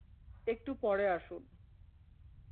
একটু পরে আসুন।